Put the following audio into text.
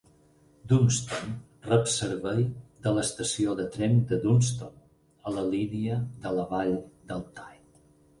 Dunston rep servei de l'estació de tren de Dunston, a la línia de la vall del Tyne.